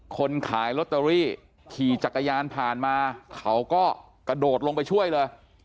คนขายลอตเตอรี่ขี่จักรยานผ่านมาเขาก็กระโดดลงไปช่วยเลย